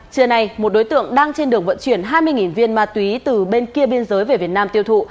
trưa nay một đối tượng đang trên đường vận chuyển hai mươi viên ma túy từ bên kia biên giới về việt nam tiêu thụ